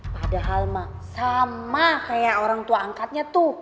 padahal sama kayak orang tua angkatnya tuh